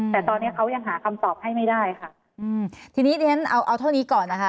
แต่ตอนนี้เขายังหาคำตอบให้ไม่ได้ค่ะอืมทีนี้เดี๋ยวฉันเอาเอาเท่านี้ก่อนนะคะ